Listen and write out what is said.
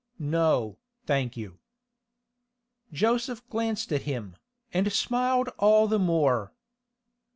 'No, thank you.' Joseph glanced at him, and smiled all the more.